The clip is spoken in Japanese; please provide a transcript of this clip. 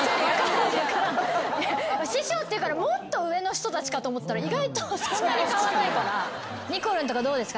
師匠って言うからもっと上の人たちかと思ったら意外とそんなに変わんないから。にこるんとかどうですか？